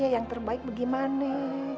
yang terbaik bagaimana